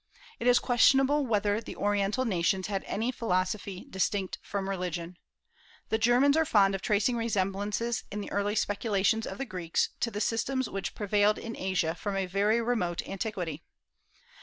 It is questionable whether the Oriental nations had any philosophy distinct from religion. The Germans are fond of tracing resemblances in the early speculations of the Greeks to the systems which prevailed in Asia from a very remote antiquity.